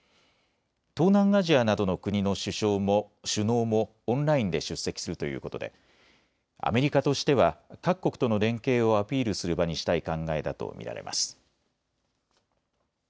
東南アジアなどの国の首脳もオンラインで出席するということでアメリカとしては各国との連携をアピールする場にしたい考えだと見られます。